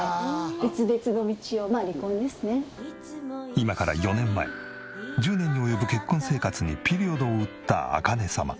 今から４年前１０年に及ぶ結婚生活にピリオドを打った茜様。